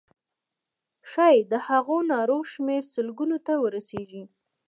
ښایي د هغو نارو شمېر سلګونو ته ورسیږي.